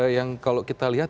yang kalau kita lihat